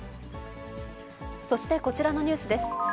そして、こちらのニュースです。